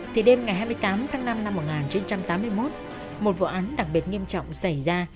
thì đêm ngày hai mươi tám tháng năm năm một nghìn chín trăm tám mươi một một vụ án đặc biệt nghiêm trọng xảy ra